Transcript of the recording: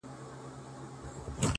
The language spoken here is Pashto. • د دې نړۍ انسان نه دی په مخه یې ښه؛